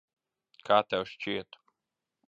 Kā tev šķiet?